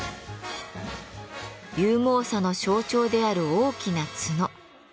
勇猛さの象徴である大きな角。